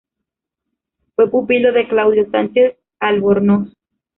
Fue pupilo de Claudio Sánchez Albornoz.